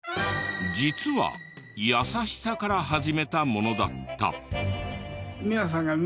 実は優しさから始めたものだった。